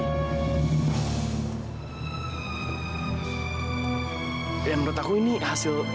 ya menurut aku ini hasil